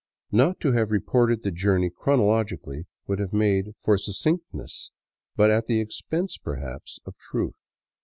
Not to have reported the journey chronologically would have made for succinctness, but at the expense, perhaps, of truth.